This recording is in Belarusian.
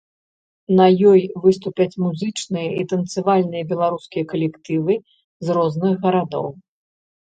На ёй выступяць музычныя і танцавальныя беларускія калектывы з розных гарадоў.